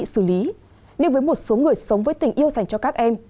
có người sống với tình yêu dành cho các em